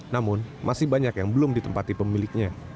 namun masih banyak yang belum ditempati pemiliknya